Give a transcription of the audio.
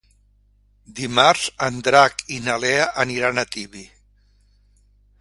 Dimarts en Drac i na Lea aniran a Tibi.